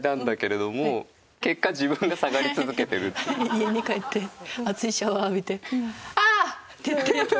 家に帰って熱いシャワー浴びて「あーっ！」って言って。